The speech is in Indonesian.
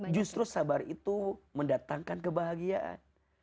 justru sabar itu mendatangkan kebahagiaan